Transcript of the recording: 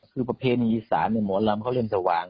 คือประเพณีศาสตร์เนี่ยหมอลำเขาเล่นสว่าง